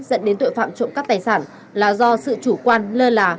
liên hệ đến tội phạm trộm cắp tài sản là do sự chủ quan lơ là